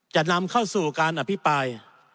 จะนำเข้าสู่การอภิปราย